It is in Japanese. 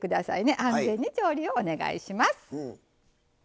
安全に調理をお願いします。